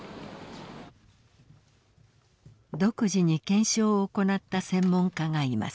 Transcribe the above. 独自に検証を行った専門家がいます。